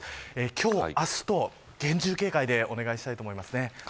今日、明日と厳重警戒でお願いしたいと思います。